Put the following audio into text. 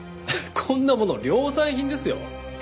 こんなもの量産品ですよ。